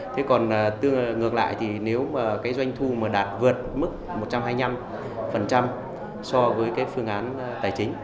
thế còn ngược lại thì nếu mà cái doanh thu mà đạt vượt mức một trăm hai mươi năm so với cái phương án tài chính